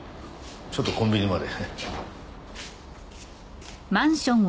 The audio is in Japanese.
ちょっとコンビニまで。